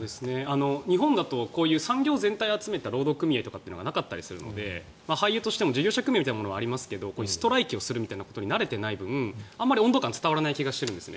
日本だと産業全体を集めた労働組合とかなかったりするので俳優としても事業者組合みたいなものはありますのでストライキをやりますということに慣れていない分あんまり温度感が伝わらない気がしています。